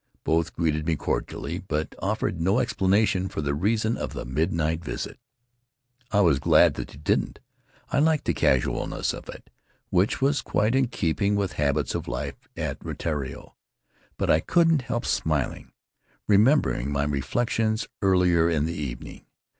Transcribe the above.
Both greeted me cordially, but offered no explanation for the reason of the midnight visit. I was glad that they didn't. I liked the casualness of it, which was quite in keeping with habits of life at Rutiaro. But I couldn't help smiling, remembering my reflections earlier in the evening.